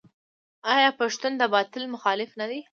آیا پښتون د باطل مخالف نه دی؟